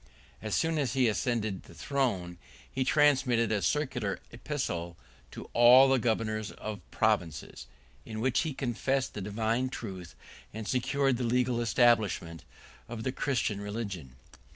As soon as he ascended the throne, he transmitted a circular epistle to all the governors of provinces; in which he confessed the divine truth, and secured the legal establishment, of the Christian religion.